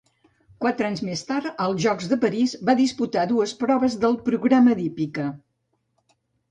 Quatre anys més tard, als Jocs de París, va disputar dues proves del programa d'hípica.